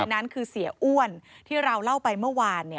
นั้นคือเสียอ้วนที่เราเล่าไปเมื่อวาน